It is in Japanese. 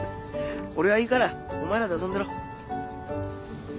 俺はいいからお前らで遊んでろ。